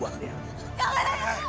tuan amalin aku sudah mencari tuan amalin